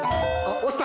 押した。